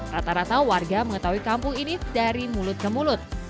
rata rata warga mengetahui kampung ini dari mulut ke mulut